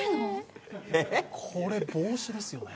これ帽子ですよね